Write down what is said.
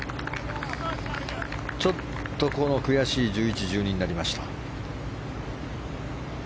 ちょっと悔しい１１、１２になりました。